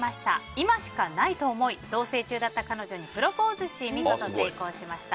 今しかないと思い同棲中だった彼女にプロポーズをし見事成功しました。